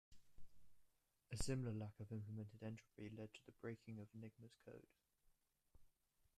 A similar lack of implemented entropy led to the breaking of Enigma's code.